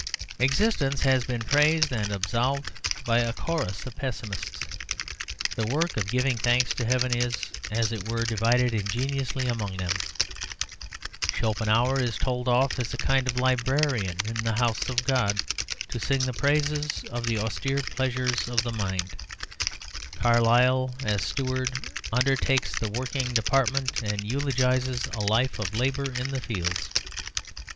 Existence has been praised and absolved by a chorus of pessimists. The work of giving thanks to Heaven is, as it were, divided ingeniously among them. Schopenhauer is told off as a kind of librarian in the House of God, to sing the praises of the austere pleasures of the mind. Carlyle, as steward, undertakes the working department and eulogises a life of labour in the fields.